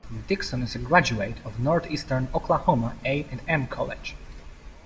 Dickson is a graduate of Northeastern Oklahoma A and M College.